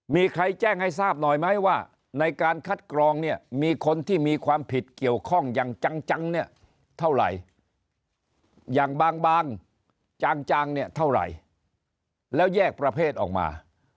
มีใครแจ้งให้ทราบหน่อยไหมว่าในการคัดกรองเนี่ยมีคนที่มีความผิดเกี่ยวข้องอย่างจังเนี่ยเท่าไหร่อย่างบางจางจางเนี่ยเท่าไหร่แล้วแยกประเภทออกมา